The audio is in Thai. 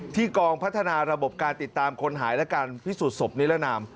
กองพัฒนาระบบการติดตามคนหายและการพิสูจนศพนิรนาม